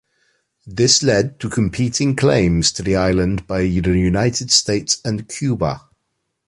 This led to competing claims to the island by the United States and Cuba.